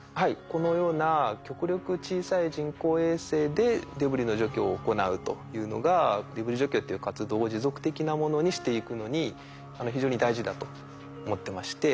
このような極力小さい人工衛星でデブリの除去を行うというのがデブリ除去という活動を持続的なものにしていくのに非常に大事だと思ってまして。